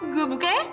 gue buka ya